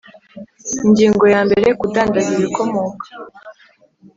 Ingingo ya mbere Kudandaza ibikomoka